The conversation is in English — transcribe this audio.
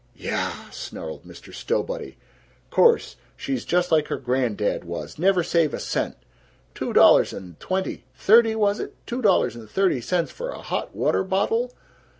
"Yaaaaaah!" snarled Mr. Stowbody. "Course. She's just like her grandad was. Never save a cent. Two dollars and twenty thirty, was it? two dollars and thirty cents for a hot water bottle!